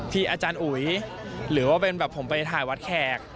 อาจารย์อุ๋ยหรือว่าเป็นแบบผมไปถ่ายวัดแขก